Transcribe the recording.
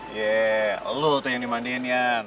yee lo tuh yang dimandiin yan